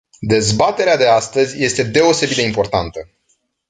Dezbaterea de astăzi este deosebit de importantă.